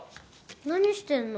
何してんの？